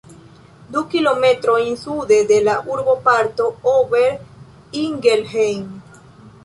Du kilometrojn sude de la urboparto Ober-Ingelheim.